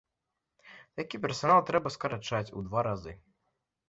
Такі персанал трэба скарачаць у два разы.